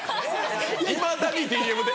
いまだにＤＭで？